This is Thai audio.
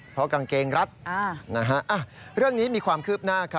เพราะกางเกงรัดอ่านะฮะอ่าเรื่องนี้มีความคืบหน้าครับ